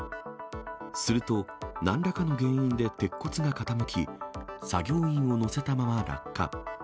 すると、なんらかの原因で鉄骨が傾き、作業員を乗せたまま落下。